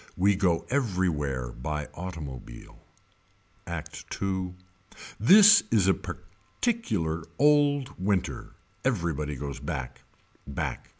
We go everywhere by automobile. Act II. This is a particular old winter. Everybody goes back. Back.